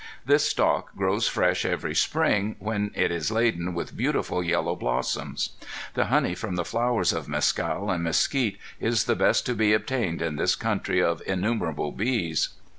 This stalk grows fresh every spring, when it is laden with beautiful yellow blossoms. The honey from the flowers of mescal and mesquite is the best to be obtained in this country of innumerable bees.